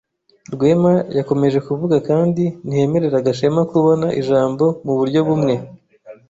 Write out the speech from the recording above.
Rwema yakomeje kuvuga kandi ntiyemerera Gashema kubona ijambo muburyo bumwe.